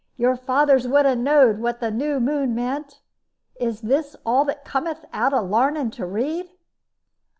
Your fathers would 'a knowed what the new moon meant. Is this all that cometh out of larning to read?"